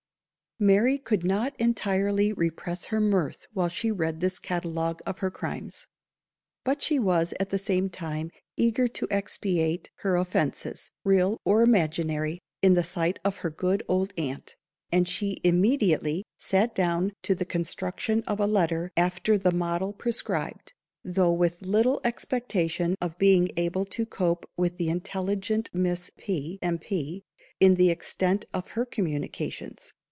Mary could not entirely repress her mirth while she read this catalogue of her crimes; but she was, at the same time, eager to expiate her offences, real or imaginary, in the sight of her good old aunt; and she immediately sat down to the construction of a letter after the model prescribed; though with little expectation of being able to cope with the intelligent Miss P. M'P. in the extent of her communications.